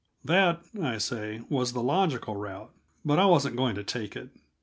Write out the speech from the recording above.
That, I say, was the logical route but I wasn't going to take it.